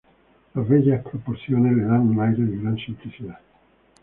Las bellas proporciones le dan un aire de gran simplicidad.